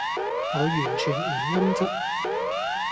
我完全唔陰質